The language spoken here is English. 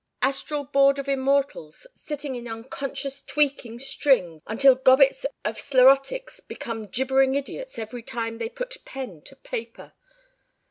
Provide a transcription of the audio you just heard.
... Astral board of Immortals sitting in Unconscious tweaking strings until gobbets and sclerotics become gibbering idiots every time they put pen to paper?